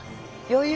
余裕！